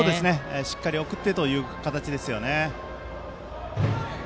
しっかり送ってという形でしたね。